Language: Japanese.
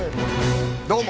どうも。